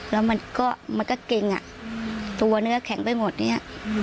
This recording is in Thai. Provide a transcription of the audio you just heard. แล้วมันก็เก่งอ่ะตัวเนื้อแข็งไปหมดเนี่ย